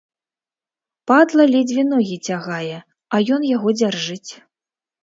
Падла ледзьве ногі цягае, а ён яго дзяржыць.